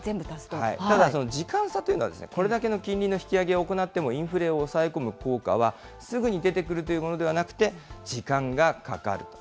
ただ時間差というのは、これだけの金利の引き上げを行っても、インフレを抑え込む効果はすぐに出てくるというものではなくて、時間がかかると。